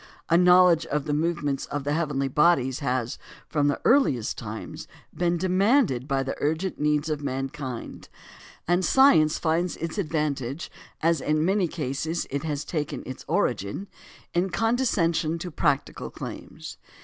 A knowledge of the movements of the heavenly bodies has, from the earliest times, been demanded by the urgent needs of mankind; and science finds its advantage, as in many cases it has taken its origin, in condescension to practical claims.